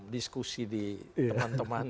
diskusi di teman teman